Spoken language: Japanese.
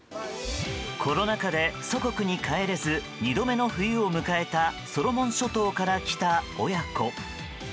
コロナ禍で祖国に帰れず２度目の冬を迎えたソロモン諸島から来た親子。